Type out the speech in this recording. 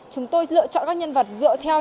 chúng tôi lựa chọn các nhân vật dựa theo